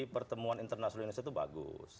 pertemuan internasional indonesia itu bagus